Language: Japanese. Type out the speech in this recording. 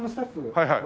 はい。